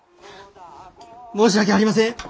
申し訳ありません！